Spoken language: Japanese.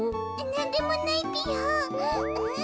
なんでもないぴよ。え。